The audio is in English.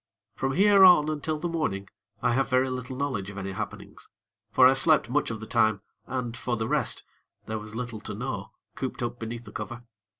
From here on until the morning, I have very little knowledge of any happenings; for I slept much of the time, and, for the rest, there was little to know, cooped up beneath the cover.